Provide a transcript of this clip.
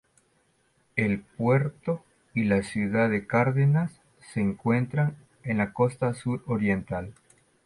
El puerto y la ciudad de Cárdenas se encuentran en la costa suroriental.